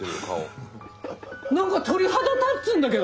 何か鳥肌立つんだけど。